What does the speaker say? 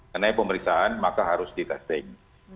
dan pemeriksaan maka harus ditesting